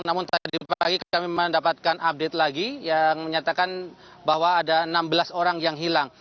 namun tadi pagi kami mendapatkan update lagi yang menyatakan bahwa ada enam belas orang yang hilang